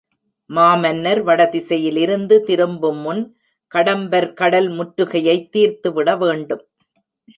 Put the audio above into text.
மாமன்னர் வடதிசையிலிருந்து திரும்பு முன் கடம்பர் கடல் முற்றுகையைத் தீர்த்துவிடவேண்டும்.